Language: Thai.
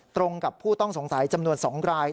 ตรงกับผู้ต้องสงสัยจำนวน๒ราย